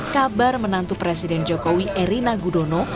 kabar menantu presiden jokowi erina gudono